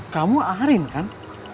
kamu arin kan